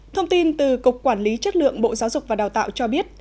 thông tin từ cục quản lý chất lượng bộ giáo dục và đào tạo cho biết